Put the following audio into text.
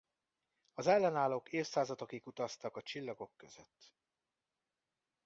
Az ellenállók évszázadokig utaztak a csillagok között.